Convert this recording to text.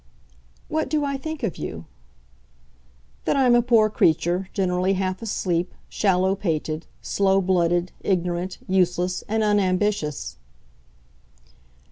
"What do I think of you?" "That I'm a poor creature, generally half asleep, shallow pated, slow blooded, ignorant, useless, and unambitious."